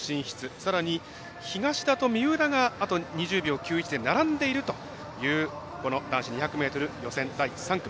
さらに東田と三浦が２０秒９１で並んでいるという男子２００ｍ第３組。